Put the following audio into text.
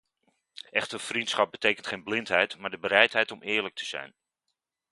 Echter, vriendschap betekent geen blindheid maar de bereidheid om eerlijk te zijn.